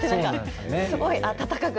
すごく温かく。